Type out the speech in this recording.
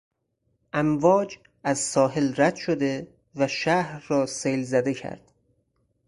امواج از ساحل رد شده و شهر را سیل زده کرد.